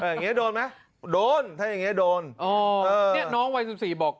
อย่างเงี้โดนไหมโดนถ้าอย่างเงี้โดนอ๋อเนี้ยน้องวัยสิบสี่บอก